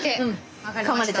分かりました。